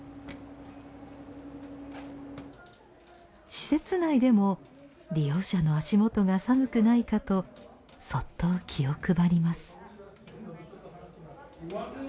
施設内でも利用者の足元が寒くないかとそっと気を配ります。